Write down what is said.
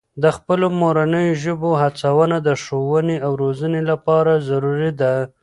د خپلو مورنۍ ژبو هڅونه د ښوونې او روزنې لپاره ضروري ده.